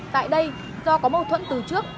tại đây do có mâu thuẫn từ trước